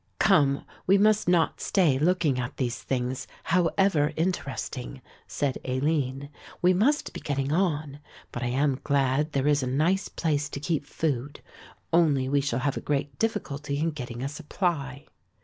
"Come, we must not stay looking at these things, however interesting," said Aline; "we must be getting on. But I am glad there is a nice place to keep food; only we shall have a great difficulty in getting a supply."